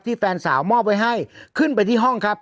แฟนสาวมอบไว้ให้ขึ้นไปที่ห้องครับ